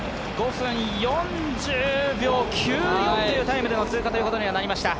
５分４０秒９４というタイムでの通過になりました。